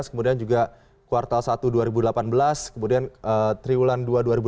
kemudian juga kuartal satu dua ribu delapan belas kemudian triwulan dua dua ribu delapan belas